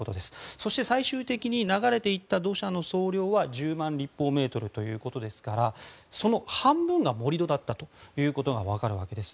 そして最終的に流れていった土砂の総量は１０万立方メートルということですからその半分が盛り土だったということが分かるわけです。